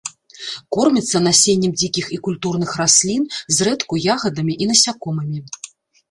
Корміцца насеннем дзікіх і культурных раслін, зрэдку ягадамі і насякомымі.